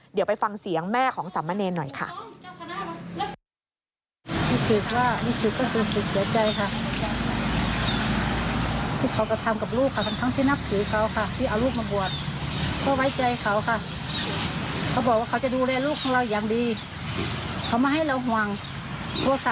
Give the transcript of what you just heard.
เดี๋ยวไปฟังเสียงแม่ของสามเณรหน่อยค่ะ